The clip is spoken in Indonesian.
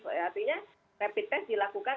tapi kita masih bisa melakukan rapid test